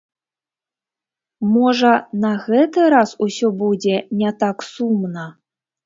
Можа, на гэты раз усё будзе не так сумна?